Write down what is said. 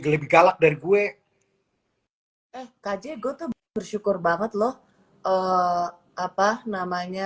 lebih galak dari gue hai eh kajegot bersyukur banget loh eh apa namanya